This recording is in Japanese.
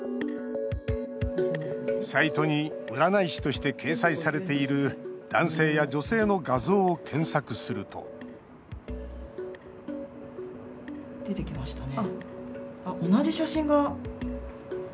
サイトに占い師として掲載されている男性や女性の画像を検索すると出てきましたね。